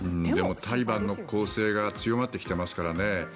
タリバンの攻勢が強まってきていますから。